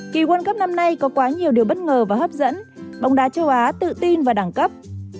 kỳ world cup năm nay có quá nhiều điều bất ngờ và hấp dẫn bóng đá châu á tự tin vào đẳng cấp